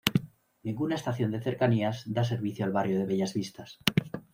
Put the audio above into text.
Ninguna estación de Cercanías da servicio al barrio de Bellas Vistas.